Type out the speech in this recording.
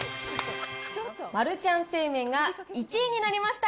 マルちゃん正麺が１位になりました。